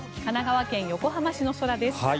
神奈川県横浜市の空です。